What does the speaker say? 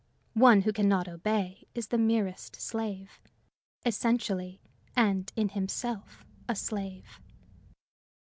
One who can not obey is the merest slave essentially and in himself a slave.